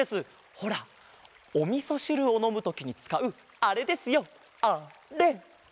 ほらおみそしるをのむときにつかうあれですよあれ。